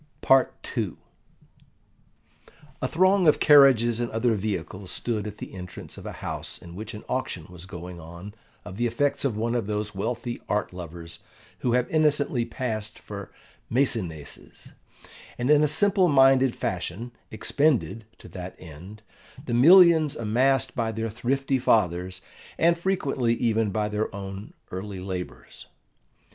PART II A THRONG of carriages and other vehicles stood at the entrance of a house in which an auction was going on of the effects of one of those wealthy art lovers who have innocently passed for Maecenases, and in a simple minded fashion expended, to that end, the millions amassed by their thrifty fathers, and frequently even by their own early labours.